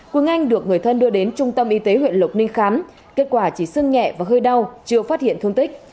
quân anh được người thân đưa đến trung tâm y tế huyện lộc ninh khám kết quả chỉ sưng nhẹ và hơi đau chưa phát hiện thương tích